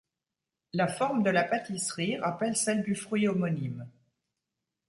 La forme de la pâtisserie rappelle celle du fruit homonyme.